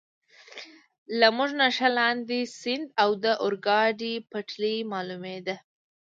له موږ نه ښه لاندې، سیند او د اورګاډي پټلۍ معلومېده.